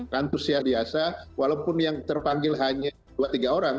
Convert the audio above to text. rantusias biasa walaupun yang terpanggil hanya dua tiga orang